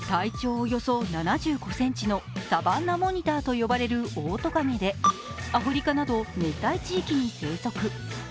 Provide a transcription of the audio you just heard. およそ７５ｃｍのサバンナモニターと呼ばれるオオトカゲでアフリカなど熱帯地域に生息。